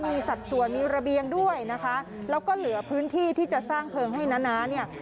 มีสัดส่วนมีระเบียงด้วยนะคะแล้วก็เหลือพื้นที่ที่จะสร้างเพลิงให้น้าน้าเนี่ย